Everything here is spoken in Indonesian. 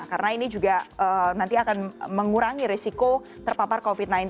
karena ini juga nanti akan mengurangi risiko terpapar covid sembilan belas